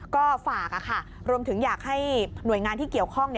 ก็ฝากรวมถึงอยากให้หน่วยงานที่เกี่ยวข้อง